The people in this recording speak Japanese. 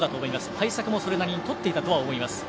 対策もそれなりにとっていたとは思います。